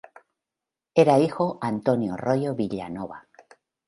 Era hijo Antonio Royo Villanova.